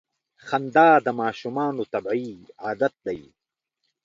• خندا د ماشومانو طبیعي عادت دی.